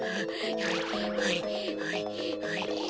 はいはいはいはい。